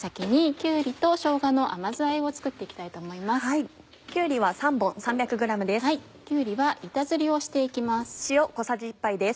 きゅうりは板ずりをして行きます。